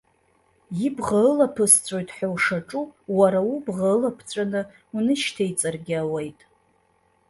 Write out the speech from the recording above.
Ибӷа ылаԥысҵәоит ҳәа ушаҿу уара убӷа ылаԥҵәаны унышьҭеиҵаргьы ауеит.